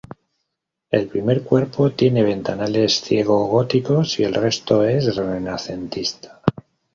El primer cuerpo tiene ventanales ciego góticos y el resto es renacentista.